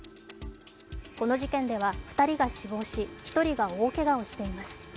この事件では２人が死亡し、１人が大けがをしています。